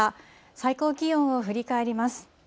最高気温を振り返ります。